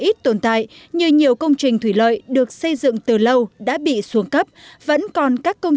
ít tồn tại như nhiều công trình thủy lợi được xây dựng từ lâu đã bị xuống cấp vẫn còn các công